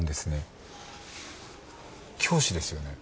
教師ですよね？